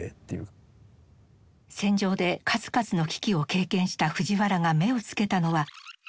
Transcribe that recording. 戦場で数々の危機を経験した藤原が目をつけたのは。